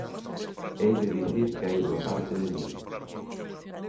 Hei de dicir que hai unha parte de min